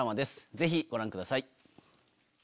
ぜひご覧ください。